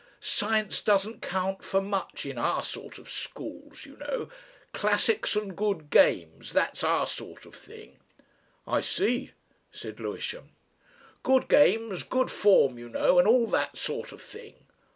Science doesn't count for much in our sort of schools, you know. Classics and good games that's our sort of thing." "I see," said Lewisham. "Good games, good form, you know, and all that sort of thing."